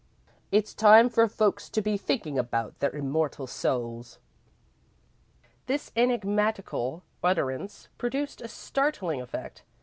It's time for folks to be thinkin' about their immortal souls." This enigmatical utterance produced a startling effect.